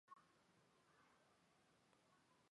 皮库伊是巴西帕拉伊巴州的一个市镇。